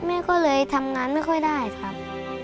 แม่ก็เลยทำงานไม่ค่อยได้ครับ